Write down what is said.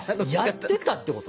やってたってこと？